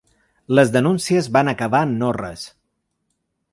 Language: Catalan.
Les denúncies van acabar en no res.